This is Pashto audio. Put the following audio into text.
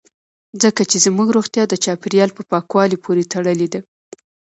ځکه چې زموږ روغتیا د چاپیریال په پاکوالي پورې تړلې ده